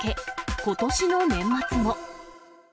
ことしの年末も。